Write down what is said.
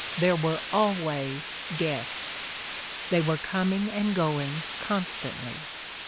There were always guests; they were coming and going constantly.